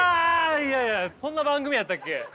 いやいやそんな番組やったっけ。